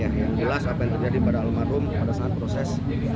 yang jelas apa yang terjadi pada almarhum pada saat proses